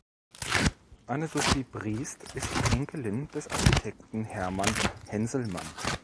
Anne-Sophie Briest ist die Enkelin des Architekten Hermann Henselmann.